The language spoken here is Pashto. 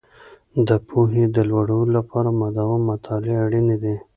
د پوهې د لوړولو لپاره مداوم مطالعه اړینې دي.